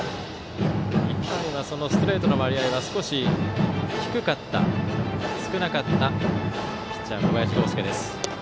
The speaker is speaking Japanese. １回はストレートの割合は少し低かった少なかったピッチャーの小林剛介。